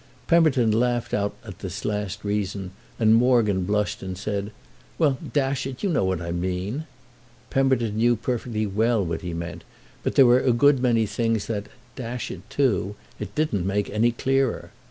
Pemberton laughed out at this last reason, and Morgan blushed and said: "Well, dash it, you know what I mean." Pemberton knew perfectly what he meant; but there were a good many things that—dash it too!—it didn't make any clearer.